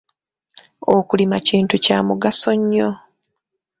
Okulima kintu kya mugaso nnyo.